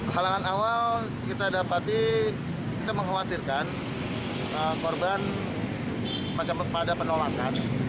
halangan awal kita dapati kita mengkhawatirkan korban semacam pada penolakan